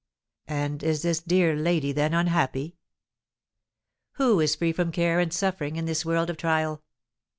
"And is this dear lady, then, unhappy?" "Who is free from care and suffering in this world of trial?